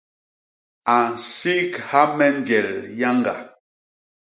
A nsigha me njel yañga.